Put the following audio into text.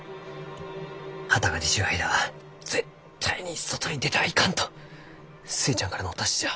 旗が出ちゅう間は絶対に外に出てはいかんと寿恵ちゃんからのお達しじゃ。